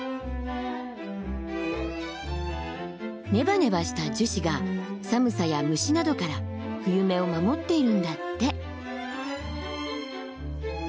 ネバネバした樹脂が寒さや虫などから冬芽を守っているんだって。